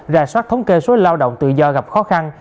rà soát thống kê số lao động tự do gặp khó khăn